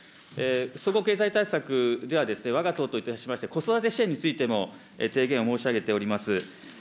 総合経済対策では、わが党といたしまして、子育て支援についても提言を申し上げております。